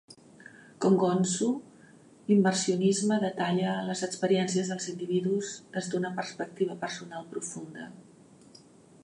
Com Gonzo, l'immersionisme detalla les experiències dels individus des d'una perspectiva personal profunda.